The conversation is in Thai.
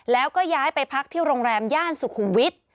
แล้วก็ย้ายไปพักที่โรงแรมย่านสุขุมวิทย์